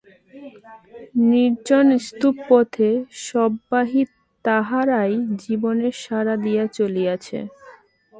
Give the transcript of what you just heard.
নির্জন স্তব্ধ পথে শববাহী তাহারাই জীবনের সাড়া দিয়া চলিয়াছে।